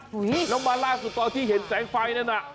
หรือน้องมัลล่าสักตอนที่เห็นแสงไฟนั้น